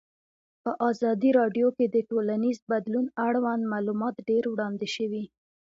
په ازادي راډیو کې د ټولنیز بدلون اړوند معلومات ډېر وړاندې شوي.